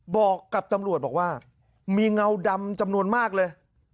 บอกกับตำรวจบอกว่ามีเงาดำจำนวนมากเลย